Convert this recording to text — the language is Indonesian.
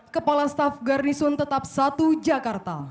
kepala staff garnisok